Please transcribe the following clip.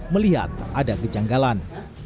melihat ada kejanggalan